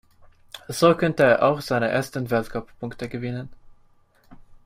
So konnte er auch seine ersten Weltcup-Punkte gewinnen.